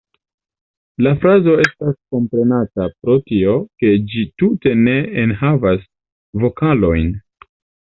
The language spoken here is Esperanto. La frazo estas konata pro tio, ke ĝi tute ne enhavas vokalojn.